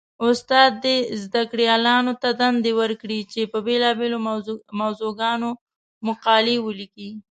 استاد دې زده کړيالانو ته دنده ورکړي؛ چې په بېلابېلو موضوعګانو مقالې وليکي.